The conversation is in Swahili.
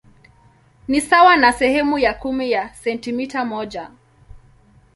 Ni sawa na sehemu ya kumi ya sentimita moja.